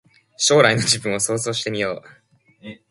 将来の自分を想像してみよう